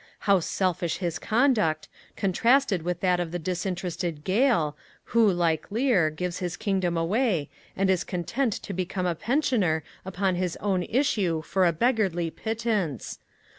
how selfish his conduct, contrasted with that of the disinterested Gael, who, like Lear, gives his kingdom away, and is content to become a pensioner upon his own issue for a beggarly pittance!